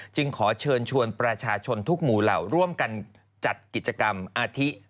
จึงขอเชิญชวนประชาชนทุกหมู่เหล่าร่วมกันจัดกิจกรรมอาทิ